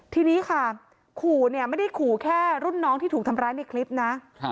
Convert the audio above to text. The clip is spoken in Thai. ทีนี้ค่ะขู่เนี่ยไม่ได้ขู่แค่รุ่นน้องที่ถูกทำร้ายในคลิปนะ